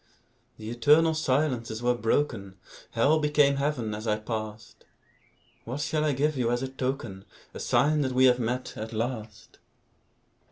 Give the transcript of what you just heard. The eternal silences were broken; Hell became Heaven as I passed. What shall I give you as a token, A sign that we have met, at last?